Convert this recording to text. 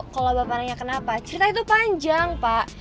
kalau bapak nanya kenapa cerita itu panjang pak